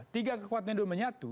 tiga kekuatan ideologi menyatu